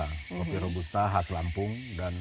kopi robusta hak lampung